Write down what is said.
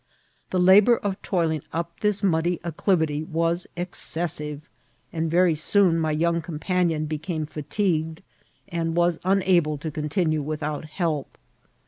The labour of toiling up this muddy acclivity was excessive, and very soon my young companion be* came fatigued, and was unable to continue without help.